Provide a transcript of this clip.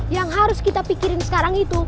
yang harus kita pikirin sekarang itu